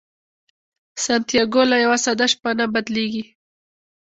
سانتیاګو له یوه ساده شپانه بدلیږي.